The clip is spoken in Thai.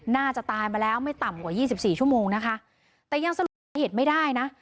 น่าจะตายมาแล้วไม่ต่ำกว่า๒๔ชั่วโมงนะคะแต่ยังสร้างเหตุไม่ได้นะ